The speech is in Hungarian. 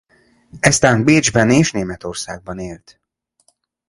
Eztán Bécsben és Németországban élt.